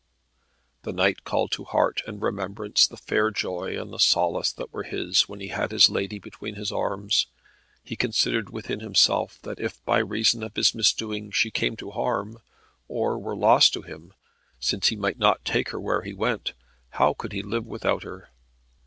The knight called to heart and remembrance the fair joy and the solace that were his when he had this lady between his arms. He considered within himself that if by reason of his misdoing she came to harm, or were lost to him, since he might not take her where he went, how could he live without her.